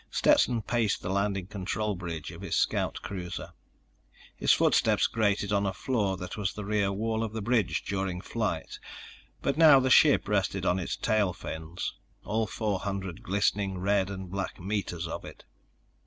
Stetson paced the landing control bridge of his scout cruiser. His footsteps grated on a floor that was the rear wall of the bridge during flight. But now the ship rested on its tail fins—all four hundred glistening red and black meters of it.